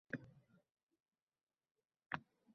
Ustuvorlik shkalasi